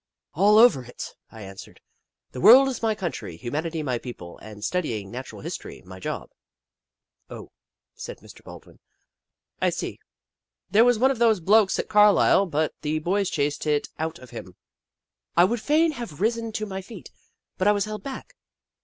" All over it," I answered. " The world is my country, humanity my people, and study ing Natural History my job." " Oh," said Mr. Baldwin. " I see. There was one of those blokes at Carlisle, but the boys chased it out of him," I would fain have risen to my feet, but I was held back.